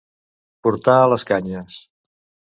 Portar a les canyes.